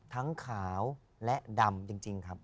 ขาวและดำจริงครับ